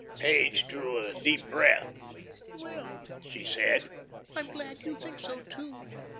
Page drew a deep breath. "Well," she said, "I'm glad you think so, too.